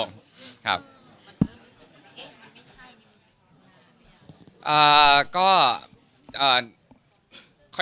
อันนี้มันไม่ใช่ยังไง